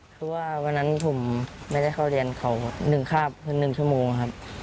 คือว่าวันนั้นผมไม่ได้เข้าเรียนเขา๑คาบคือ๑ชั่วโมงครับ